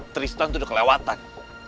tristan tuh udah kelewatan